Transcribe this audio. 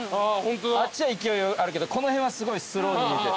あっちは勢いあるけどこの辺はすごいスローに見えて。